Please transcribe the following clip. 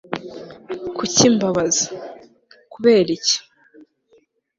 kuki mbabaza? (kubera iki?